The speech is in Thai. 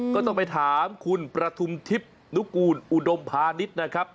ก็ต้องไปถามคุณประทุมทิพย์นุกูลอุดมพาณิชย์นะครับ